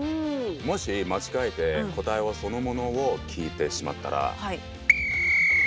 もし間違えて答えをそのものを聞いてしまったら。